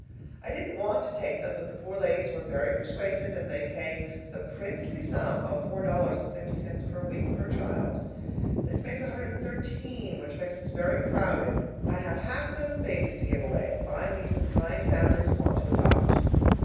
I didn't want to take them, but the poor ladies were very persuasive, and they pay the princely sum of four dollars and fifty cents per week per child. This makes 113, which makes us very crowded. I have half a dozen babies to give away. Find me some kind families who want to adopt.